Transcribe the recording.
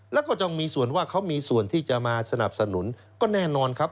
แล้วก็จงมีส่วนว่าเขามีส่วนที่จะมาสนับสนุนก็แน่นอนครับ